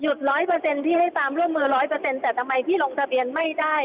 หยุด๑๐๐พี่ให้ตามร่วมมือร้อยเปอร์เซ็นต์แต่ทำไมพี่ลงทะเบียนไม่ได้